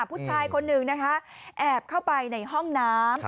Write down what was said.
ผู้ชายคนหนึ่งนะคะแอบเข้าไปในห้องน้ำ